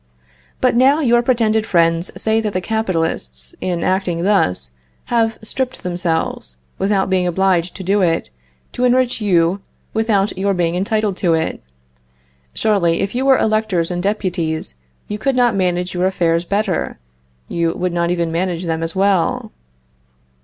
But now your pretended friends say that the capitalists, in acting thus, have stripped themselves, without being obliged to do it, to enrich you without your being entitled to it. Surely, if you were electors and deputies, you could not manage your affairs better; you would not even manage them as well.